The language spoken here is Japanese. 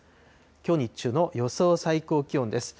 きょう日中の予想最高気温です。